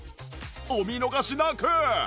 お見逃しなく！